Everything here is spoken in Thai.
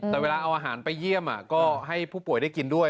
แต่เวลาเอาอาหารไปเยี่ยมก็ให้ผู้ป่วยได้กินด้วย